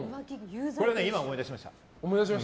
これ、今、思い出しました。